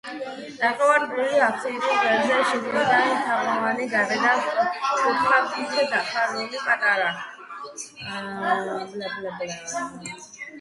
ნახევარწრიული აფსიდის ღერძზე შიგნიდან თაღოვანი, გარედან სწორკუთხა ქვით გადახურული პატარა სარკმელია.